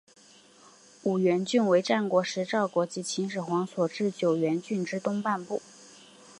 五原郡为战国时赵国及秦始皇所置九原郡之东半部。